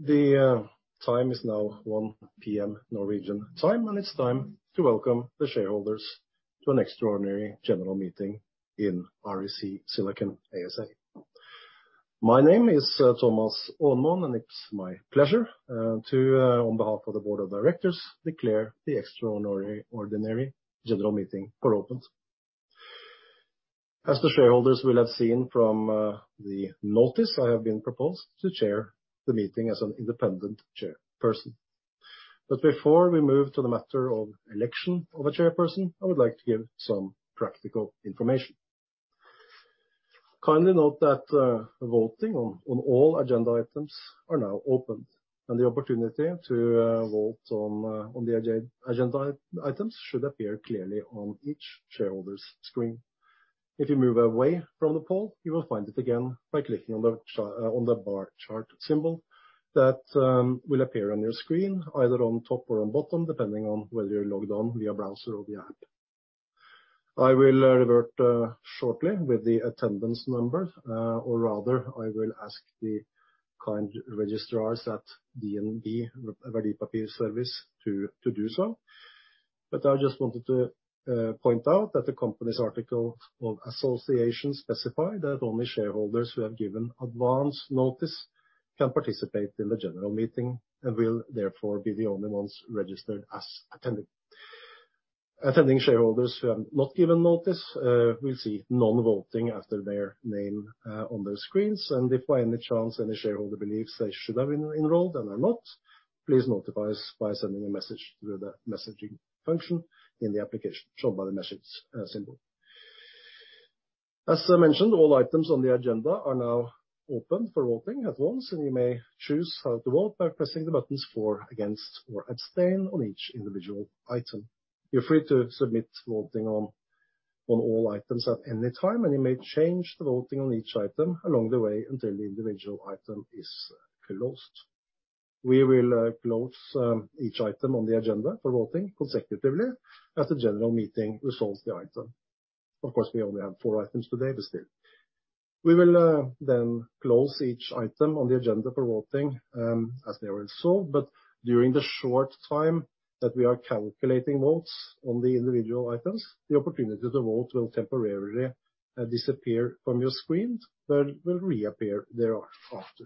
The time is now 1:00 A.M., Norwegian time, and it's time to welcome the shareholders to an Extraordinary General Meeting in REC Silicon ASA. My name is Thomas Amon, and it's my pleasure on behalf of the board of directors declare the extraordinary general meeting now open. As the shareholders will have seen from the notice, I have been proposed to chair the meeting as an Independent Chairperson. Before we move to the matter of election of a chairperson, I would like to give some practical information. Kindly note that voting on all agenda items are now open, and the opportunity to vote on the agenda items should appear clearly on each shareholder's screen. If you move away from the poll, you will find it again by clicking on the bar chart symbol that will appear on your screen, either on top or on bottom, depending on whether you're logged on via browser or via app. I will revert shortly with the attendance number, or rather, I will ask the current registrars at DNB Bank Verdipapirservice to do so. I just wanted to point out that the company's articles of association specify that only shareholders who have given advance notice can participate in the general meeting and will therefore be the only ones registered as attending. Attending shareholders who have not given notice will see non-voting after their name on their screens. If by any chance any shareholder believes they should have been enrolled and are not, please notify us by sending a message through the messaging function in the application shown by the message symbol. As I mentioned, all items on the agenda are now open for voting at once, and you may choose how to vote by pressing the buttons for, against, or abstain on each individual item. You're free to submit voting on all items at any time, and you may change the voting on each item along the way until the individual item is closed. We will close each item on the agenda for voting consecutively as the general meeting resolves the item. Of course, we only have four items today, but still. We will then close each item on the agenda for voting as they are resolved. During the short time that we are calculating votes on the individual items, the opportunity to vote will temporarily disappear from your screen, but will reappear thereafter.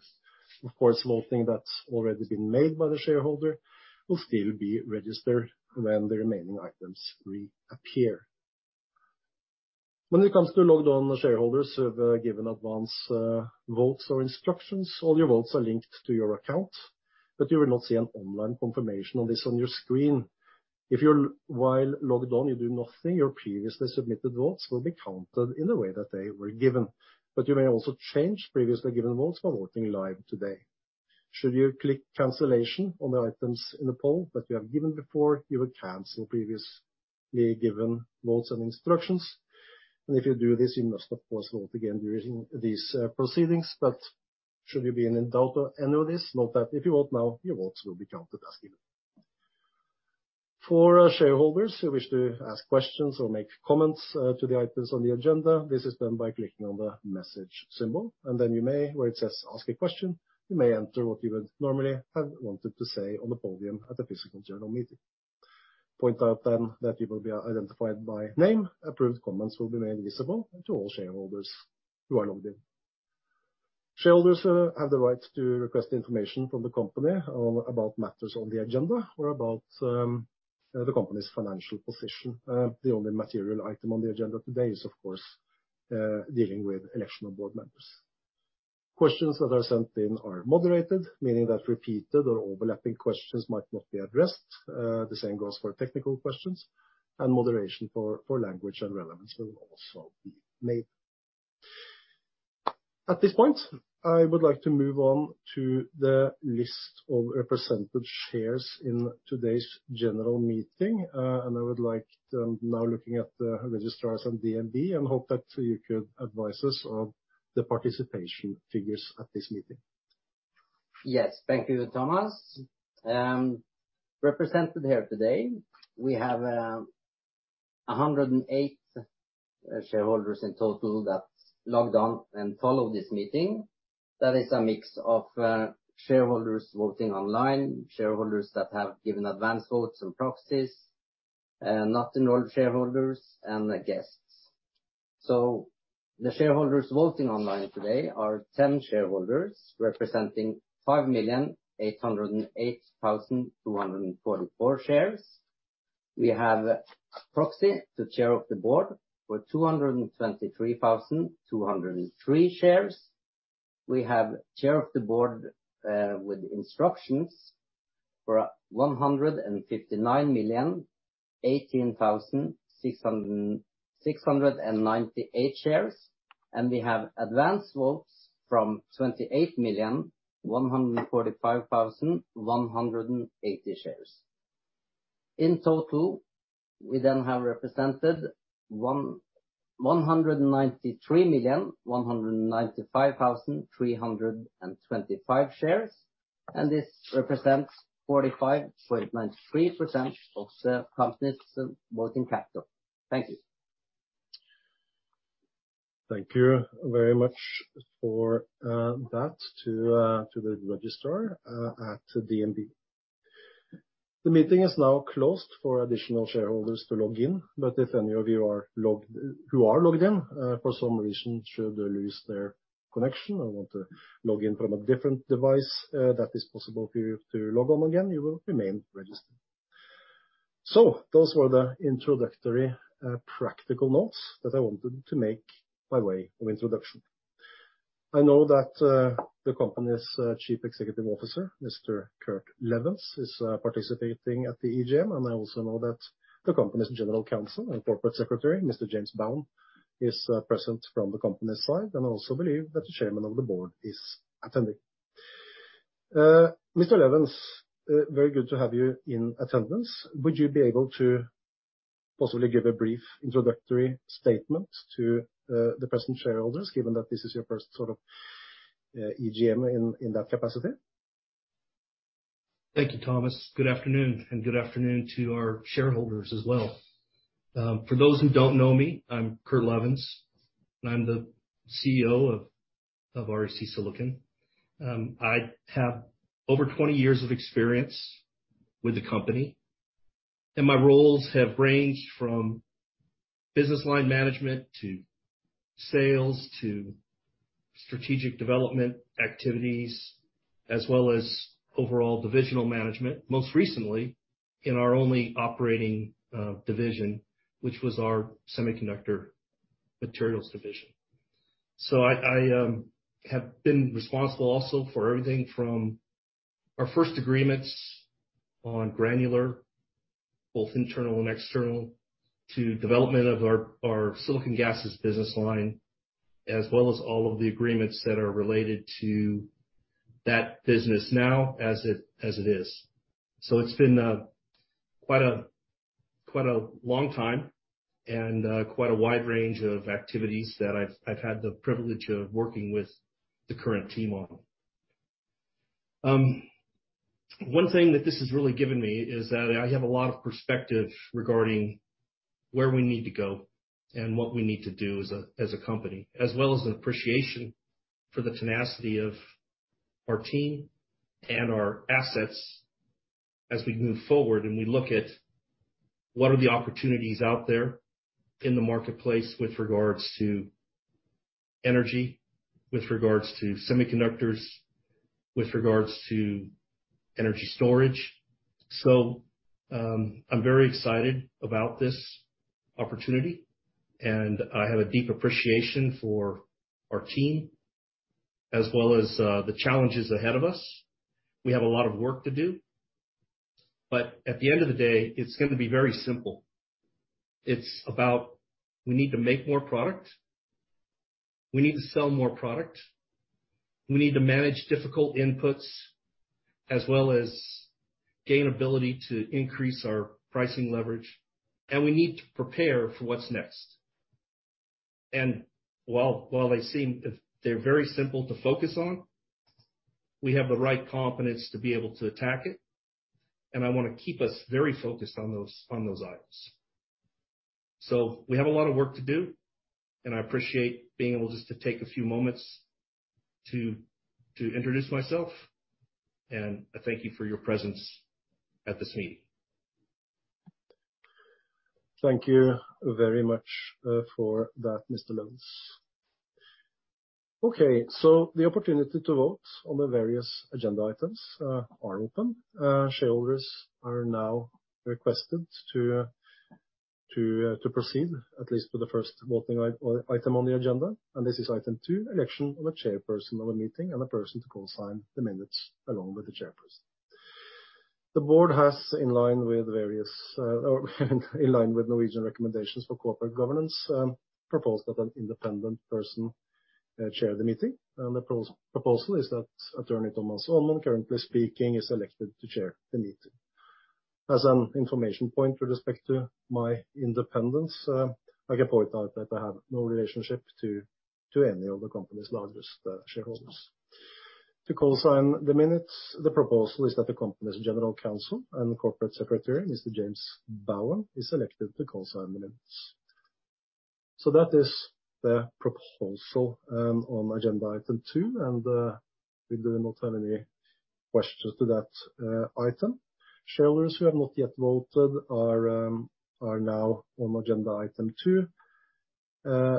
Of course, voting that's already been made by the shareholder will still be registered when the remaining items reappear. When it comes to logged on shareholders who have given advance votes or instructions, all your votes are linked to your account, but you will not see an online confirmation on this on your screen. While logged on, you do nothing, your previously submitted votes will be counted in the way that they were given. You may also change previously given votes by voting live today. Should you click cancellation on the items in the poll that you have given before, you will cancel previously given votes and instructions. If you do this, you must of course vote again during these proceedings. Should you be in doubt of any of this, note that if you vote now, your votes will be counted as given. For shareholders who wish to ask questions or make comments to the items on the agenda, this is done by clicking on the message symbol. You may, where it says, "Ask a question," you may enter what you would normally have wanted to say on the podium at the physical general meeting. Point out then that you will be identified by name. Approved comments will be made visible to all shareholders who are logged in. Shareholders have the right to request information from the company on about matters on the agenda or about the company's financial position. The only material item on the agenda today is, of course, dealing with election of board members. Questions that are sent in are moderated, meaning that repeated or overlapping questions might not be addressed. The same goes for technical questions and moderation for language and relevance will also be made. At this point, I would like to move on to the list of represented shares in today's general meeting. Now looking at the registrars on DNB, I hope that you could advise us of the participation figures at this meeting. Yes. Thank you, Thomas. Represented here today, we have 108 shareholders in total that logged on and follow this meeting. That is a mix of shareholders voting online, shareholders that have given advance votes and proxies, not enrolled shareholders and the guests. The shareholders voting online today are 10 shareholders, representing 5,808,244 shares. We have proxy to chair of the board for 223,203 shares. We have chair of the board with instructions for 159,018,698 shares, and we have advance votes from 28,145,180 shares. In total, we then have represented 193,195,325 shares, and this represents 45.93% of the company's voting capital. Thank you. Thank you very much for that to the registrar at DNB. The meeting is now closed for additional shareholders to log in, but if any of you who are logged in for some reason should lose their connection or want to log in from a different device, that is possible for you to log on again. You will remain registered. Those were the introductory practical notes that I wanted to make by way of introduction. I know that the company's Chief Executive Officer, Mr. Kurt Levens, is participating at the EGM, and I also know that the company's General Counsel and Corporate Secretary, Mr. James Bowen, is present from the company's side, and I also believe that the chairman of the board is attending. Mr. Levens, very good to have you in attendance. Would you be able to possibly give a brief introductory statement to the present shareholders, given that this is your first sort of EGM in that capacity? Thank you, Thomas. Good afternoon, and good afternoon to our shareholders as well. For those who don't know me, I'm Kurt Levens, and I'm the CEO of REC Silicon. I have over 20 years of experience with the company, and my roles have ranged from business line management to sales to strategic development activities, as well as overall divisional management. Most recently in our only operating division, which was our Semiconductor Materials segment. I have been responsible also for everything from our first agreements on granular, both internal and external, to development of our silicon gases business line, as well as all of the agreements that are related to that business now as it is. It's been quite a long time and quite a wide range of activities that I've had the privilege of working with the current team on. One thing that this has really given me is that I have a lot of perspective regarding where we need to go and what we need to do as a company, as well as an appreciation for the tenacity of our team and our assets as we move forward and we look at what are the opportunities out there in the marketplace with regards to energy, with regards to semiconductors, with regards to energy storage. I'm very excited about this opportunity, and I have a deep appreciation for our team, as well as the challenges ahead of us. We have a lot of work to do, but at the end of the day, it's gonna be very simple. It's about we need to make more product. We need to sell more product. We need to manage difficult inputs as well as gain ability to increase our pricing leverage. We need to prepare for what's next. While they seem very simple to focus on, we have the right competence to be able to attack it, and I wanna keep us very focused on those items. We have a lot of work to do, and I appreciate being able just to take a few moments to introduce myself, and I thank you for your presence at this meeting. Thank you very much for that, Mr. Levens. Okay, so the opportunity to vote on the various agenda items are open. Shareholders are now requested to proceed at least for the first voting item on the agenda, and this is item two, election of a chairperson of the meeting and a person to co-sign the minutes along with the chairperson. The board has, in line with Norwegian recommendations for corporate governance, proposed that an independent person chair the meeting. The proposal is that Attorney Thomas Amon, currently speaking, is elected to chair the meeting. As an information point with respect to my independence, I can point out that I have no relationship to any of the company's largest shareholders. To co-sign the minutes, the proposal is that the company's General Counsel and Corporate Secretary, Mr. James Bowen, is elected to co-sign the minutes. That is the proposal on agenda item two and we do not have any questions to that item. Shareholders who have not yet voted are now on agenda item two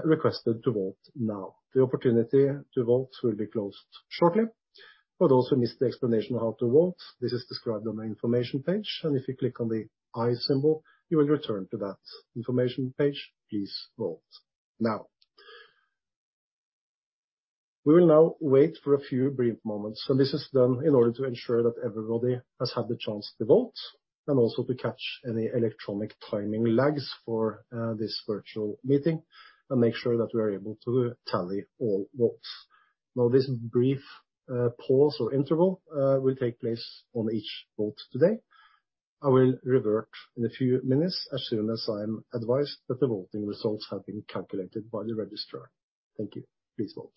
requested to vote now. The opportunity to vote will be closed shortly. For those who missed the explanation of how to vote, this is described on the information page. If you click on the i-symbol, you will return to that information page. Please vote now. We will now wait for a few brief moments, and this is done in order to ensure that everybody has had the chance to vote, and also to catch any electronic timing lags for this virtual meeting and make sure that we are able to tally all votes. Now, this brief pause or interval will take place on each vote today. I will revert in a few minutes as soon as I'm advised that the voting results have been calculated by the registrar. Thank you. Please vote.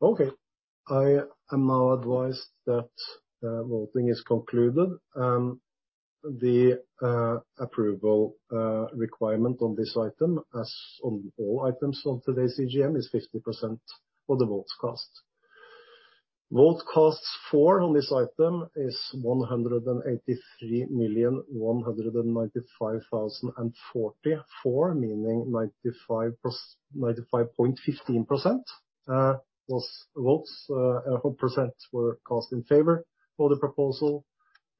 Okay. I am now advised that voting is concluded. The approval requirement on this item, as on all items on today's EGM, is 50% of the votes cast. Votes cast for on this item is 183,195,040, for meaning 95.15%, those votes or percent were cast in favor for the proposal.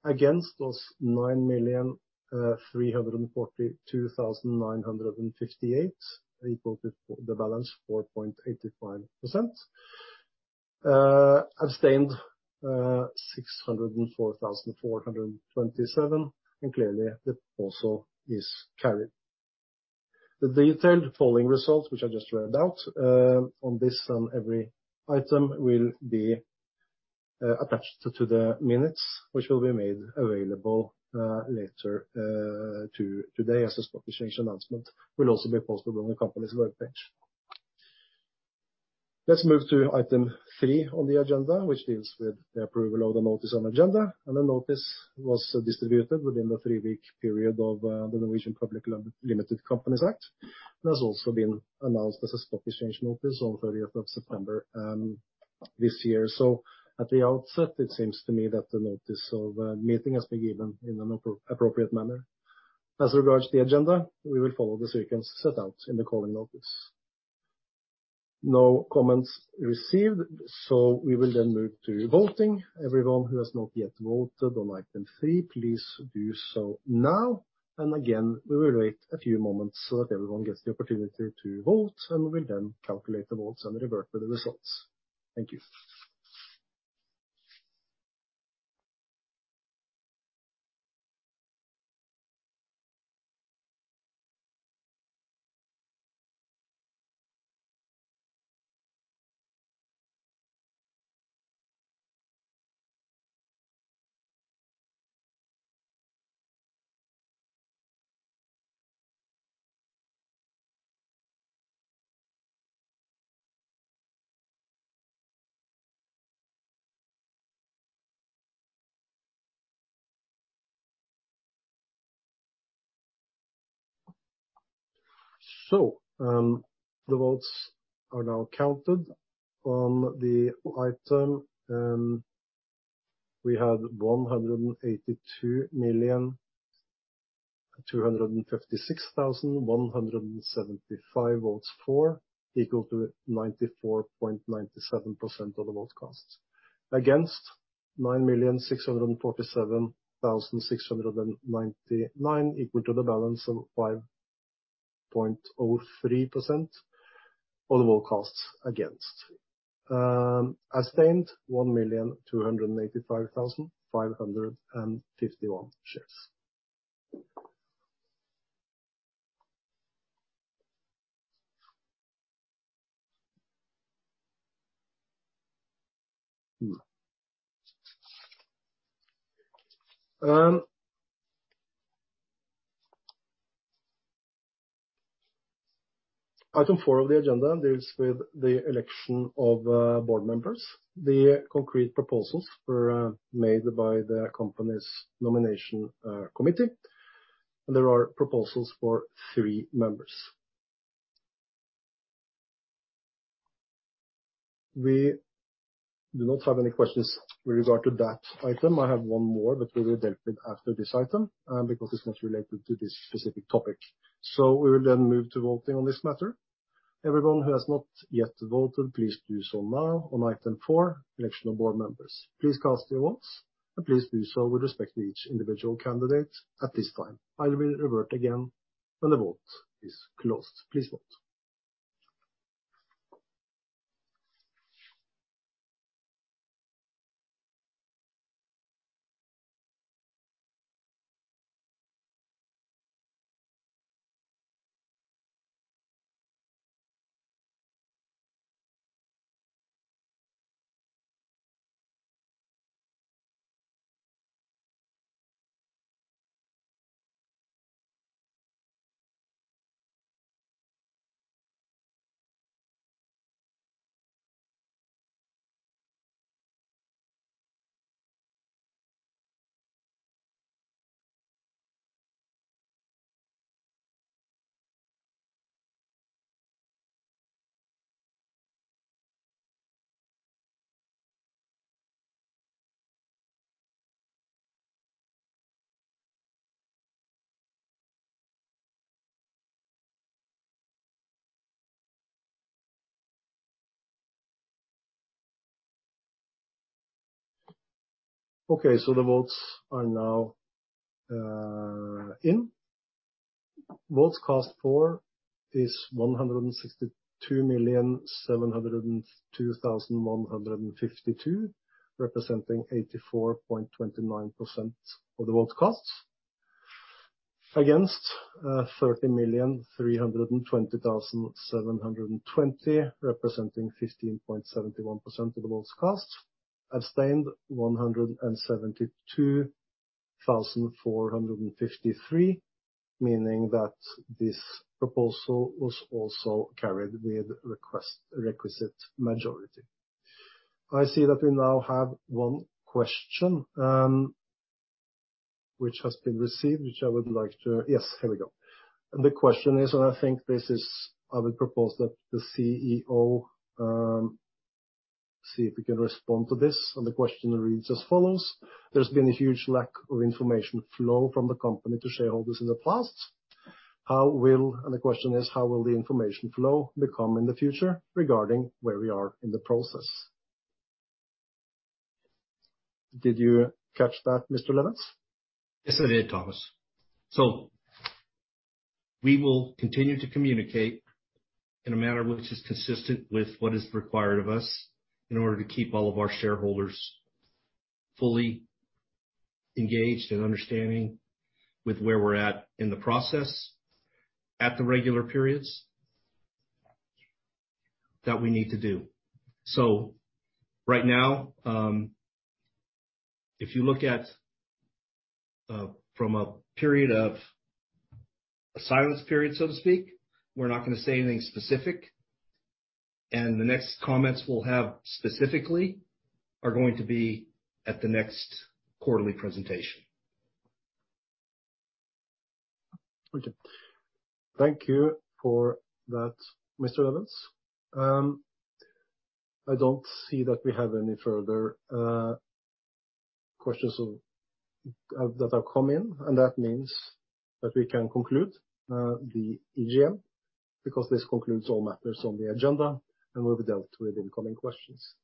Against was 9,342,958, equal to the balance, 4.85%. Abstained 604,427, and clearly the proposal is carried. The detailed polling results, which I just read out, on this and every item will be attached to the minutes, which will be made available later today as a stock exchange announcement, will also be posted on the company's webpage. Let's move to item three on the agenda, which deals with the approval of the notice on agenda. The notice was distributed within the three-week period of the Norwegian Public Limited Liability Companies Act, and has also been announced as a stock exchange notice on thirtieth of September this year. At the outset, it seems to me that the notice of meeting has been given in an appropriate manner. As regards to the agenda, we will follow the sequence set out in the calling notice. No comments received, we will then move to voting. Everyone who has not yet voted on item three, please do so now. Again, we will wait a few moments so that everyone gets the opportunity to vote, and we will then calculate the votes and revert with the results. Thank you. The votes are now counted. On the item, we had 182,256,175 votes for, equal to 94.97% of the votes cast. Against, 9,647,699, equal to the balance of 5.03% of the votes cast against. Abstained, 1,285,551 shares. Item four of the agenda deals with the election of board members. The concrete proposals were made by the company's nomination committee. There are proposals for three members. We do not have any questions with regard to that item. I have one more that will be dealt with after this item, because it's not related to this specific topic. We will then move to voting on this matter. Everyone who has not yet voted, please do so now on item four, election of board members. Please cast your votes, and please do so with respect to each individual candidate at this time. I will revert again when the vote is closed. Please vote. Okay, the votes are now in. Votes cast for is 162,702,152, representing 84.29% of the votes cast, against 30,320,720, representing 15.71% of the votes cast. Abstained, 172,453, meaning that this proposal was also carried with requisite majority. I see that we now have one question, which has been received, which I would like to. Yes, here we go. The question is, and I think this is, I would propose that the CEO see if he can respond to this. The question reads as follows: There's been a huge lack of information flow from the company to shareholders in the past. How will the information flow become in the future regarding where we are in the process? Did you catch that, Mr. Levens? Yes, I did, Thomas. We will continue to communicate in a manner which is consistent with what is required of us in order to keep all of our shareholders fully engaged and understanding with where we're at in the process at the regular periods that we need to do. Right now, if you look at a silent period, so to speak, we're not gonna say anything specific. The next comments we'll have specifically are going to be at the next quarterly presentation. Okay. Thank you for that, Mr. Levens. I don't see that we have any further questions that have come in, and that means that we can conclude the EGM because this concludes all matters on the agenda and we've dealt with incoming questions.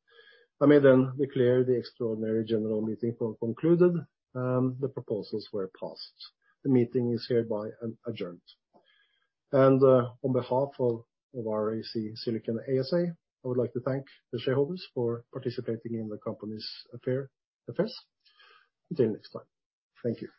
I may then declare the extraordinary general meeting concluded, the proposals were passed. The meeting is hereby adjourned. On behalf of REC Silicon ASA, I would like to thank the shareholders for participating in the company's affairs. Until next time. Thank you.